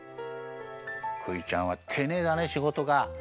クイちゃんはていねいだねしごとが。